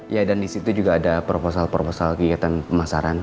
ya dan disitu juga ada proposal proposal kegiatan pemasaran